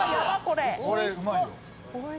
「これうまいよ」